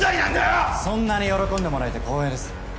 そんなに喜んでもらえて光栄です。